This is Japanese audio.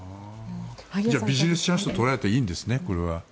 じゃあビジネスチャンスと捉えていいんですね？